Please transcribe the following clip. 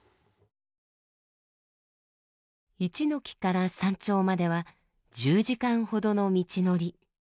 一ノ木から山頂までは１０時間ほどの道のり。